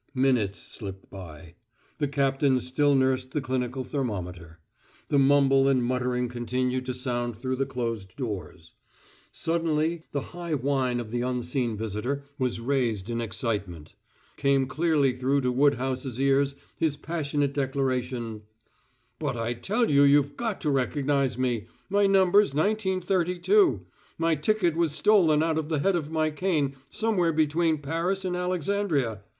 Minutes slipped by. The captain still nursed the clinical thermometer. The mumble and muttering continued to sound through the closed doors. Suddenly the high whine of the unseen visitor was raised in excitement. Came clearly through to Woodhouse's ears his passionate declaration: "But I tell you you've got to recognize me. My number's Nineteen Thirty two. My ticket was stolen out of the head of my cane somewhere between Paris and Alexandria.